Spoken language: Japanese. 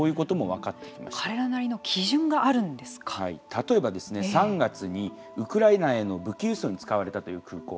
例えばですね３月に、ウクライナへの武器輸送に使われたという空港。